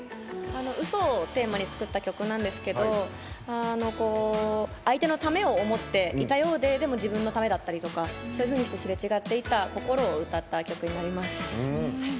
うそをテーマに作った曲なんですけど相手のためを思っていたようででも自分のためだったりとかそういうふうにすれ違っていった心を歌った曲になります。